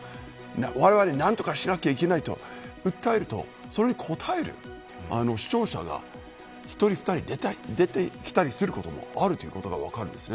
われわれで何とかしなきゃいけないと訴えるとそれに応える視聴者が１人、２人出てくることもあるということが分かるんです。